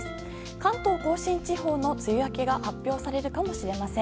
関東・甲信地方の梅雨明けが発表されるかもしれません。